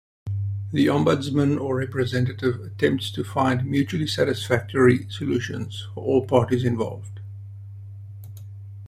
The ombudsman or representative attempts to find mutually satisfactory solutions for all parties involved.